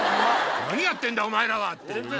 「何やってんだお前らは！」っていうね。